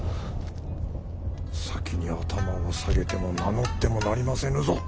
先に頭を下げても名乗ってもなりませぬぞ。